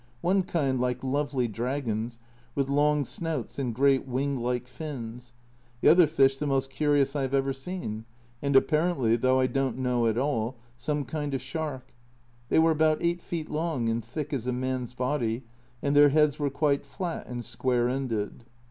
One kind like lovely dragons, with long snouts and great wing like fins, the other fish the most curious I have ever seen, and apparently, though I don't know at all, some kind of shark. They were about 8 feet long and thick as a man's body, and their heads were quite flat and square ended.